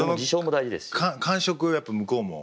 感触はやっぱ向こうも。